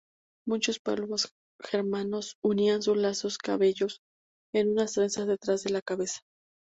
Muchos pueblos germanos unían sus largos cabellos en una trenza detrás de la cabeza.